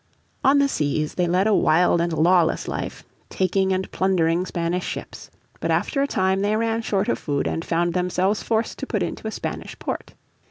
On the seas they led a wild and lawless life, taking and plundering Spanish ships. But after a time they ran short of food, and found themselves forced to put into a Spanish port.